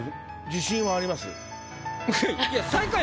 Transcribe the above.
「自信あります」